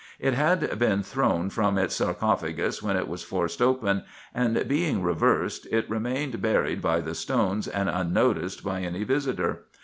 It had been thrown from its sar cophagus when it was forced open, and being reversed it remained buried by the stones, and unnoticed by any visitor.